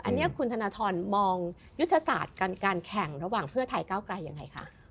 อันนี้คุณธนทรมองยุทธศาสตร์การแข่งระหว่างเพื่อไทยก้าวไกลยังไงคะ